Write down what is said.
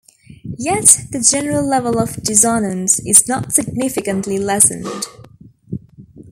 Yet the general level of dissonance is not significantly lessened.